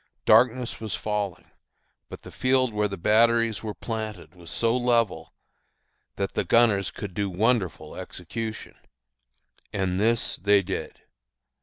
Darkness was falling; but the field where the batteries were planted was so level that the gunners could do wonderful execution. And this they did.